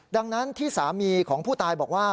ดังนั้นที่สามีของผู้ตายบอกว่า